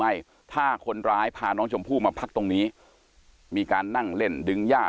ให้ถ้าคนร้ายพาน้องชมพู่มาพักตรงนี้มีการนั่งเล่นดึงย่า